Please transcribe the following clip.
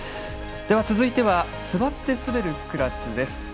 では続いて座って滑るクラスです。